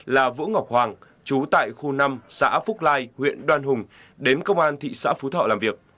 là vũ ngọc hoàng chú tại khu năm xã phúc lai huyện đoan hùng đến công an thị xã phú thọ làm việc